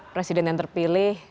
presiden yang terpilih